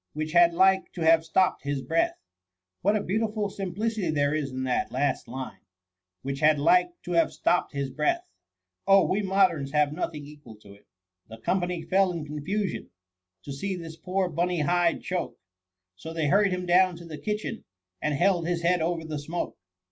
Which had like to have stopt his breath/ What a beautiful simplicity there is in that last line, ' Which had like to have stopt his breath.' VOL. I. O 122 TH£ MUMHY. Oh, we moderns have nothing equal to it !—' The company fell in confusion^ To see this poor Bunny Hyde choke. So they hurried him down to the kitchen. And held his head over the smoke.'